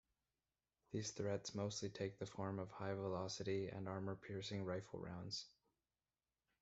These threats mostly take the form of high velocity and armor-piercing rifle rounds.